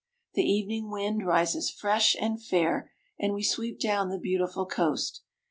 The evening wind rises fresh and fair, and we sweep down the beautiful coast.